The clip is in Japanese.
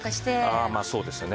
ああまあそうですね。